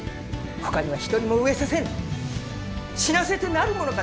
ほかには一人も飢えさせぬ死なせてなるものか！